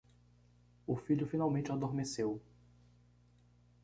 O filho finalmente adormeceu